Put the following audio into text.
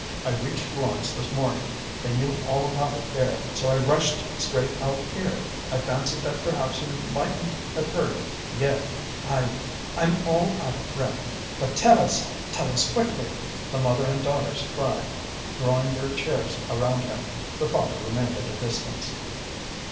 I reached Florence this morning they knew all about it there, so I rushed straight out here. I fancied that perhaps you mightn't have heard yet I ... I'm all out of breath ..." "But tell us, tell us quickly!" the mother and daughters cried, drawing their chairs around him. The father remained at a distance.